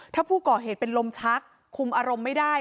ถ้าผู้ก่อเหตุเป็นลมชักคุมอารมณ์ไม่ได้